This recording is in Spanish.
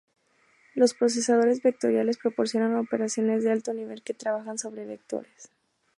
Los procesadores vectoriales proporcionan operaciones de alto nivel que trabajan sobre vectores.